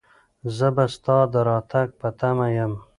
زه به ستا د راتګ په تمه یم.